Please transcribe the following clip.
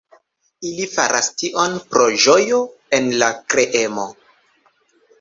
Ili faras tion pro ĝojo el la kreemo.